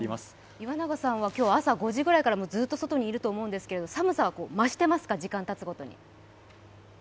岩永さんは朝５時ぐらいからずっと外にいると思うんですけど寒さは増してますか、時間たつごとに？